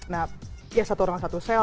nah ya satu orang satu sel